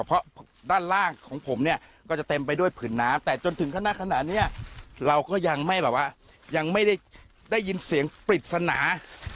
เพราะด้านล่างของผมเนี่ยก็จะเต็มไปด้วยผืนน้ำแต่จนถึงขณะเนี้ยเราก็ยังไม่แบบว่ายังไม่ได้ยินเสียงปริศนา